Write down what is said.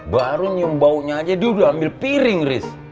baru nyumbau nya aja dia udah ambil piring riz